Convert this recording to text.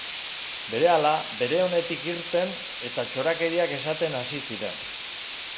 Berehala, beren onetik irten, eta txorakeriak esaten hasi ziren.